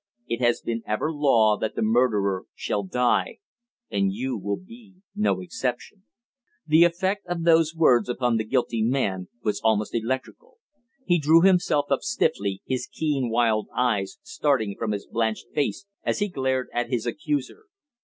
It has been ever law that the murderer shall die and you will be no exception." The effect of those words upon the guilty man was almost electrical. He drew himself up stiffly, his keen, wild eyes starting from his blanched face as he glared at his accuser.